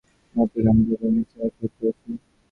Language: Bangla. ম্যাভরিক আমাদের ওপর মিশাইল তাক করেছে।